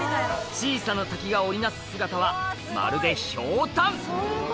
小さな滝が織り成す姿はまるでひょうたん！